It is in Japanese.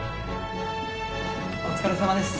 お疲れさまです。